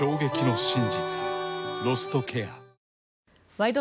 「ワイド！